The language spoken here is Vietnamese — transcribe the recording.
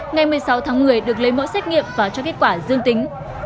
ngày một mươi sáu tháng một mươi được lấy mẫu xét nghiệm và cho kết quả dương tính